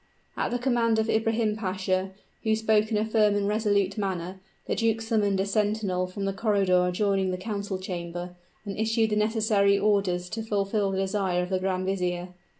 At the command of Ibrahim Pasha, who spoke in a firm and resolute manner, the duke summoned a sentinel from the corridor adjoining the council chamber, and issued the necessary orders to fulfill the desire of the grand vizier.